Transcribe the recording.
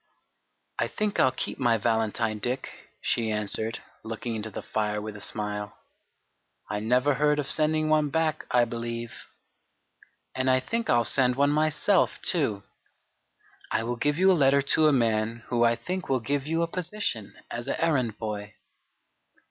"I think I'll keep my valentine, Dick," she answered, looking into the fire with a smile. "I never heard of sending one back, I believe. And I think I'll send one myself too. I will give you a letter to a man who I think will give you a position as an errand boy."